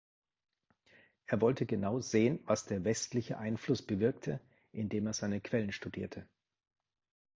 Er wollte genau sehen, was der westliche Einfluss bewirkte, indem er seine Quellen studierte.